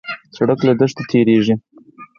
سړک له دښتو تېرېږي.